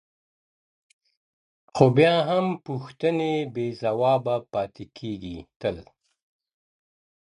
خو بيا هم پوښتني بې ځوابه پاتې کيږي تل,